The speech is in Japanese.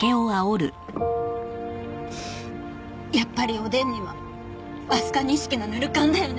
やっぱりおでんには飛鳥錦のぬる燗だよね。